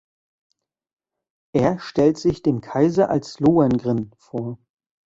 Er stellt sich dem Kaiser als Lohengrin vor.